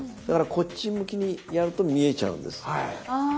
だからこっち向きにやると見えちゃうんです。